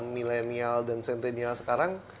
milenial dan sentenial sekarang